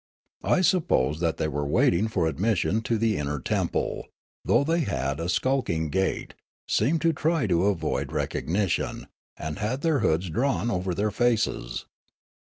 I supposed that they were waiting for admission to the inner temple, though they had a skulking gait, seemed to try to avoid recognition, and had their hoods drawn over their faces.